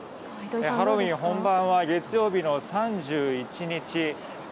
ハロウィーン本番は月曜日の３１日。